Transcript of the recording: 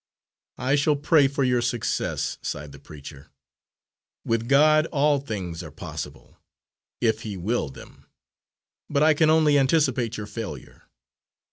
"I shall pray for your success," sighed the preacher. "With God all things are possible, if He will them. But I can only anticipate your failure."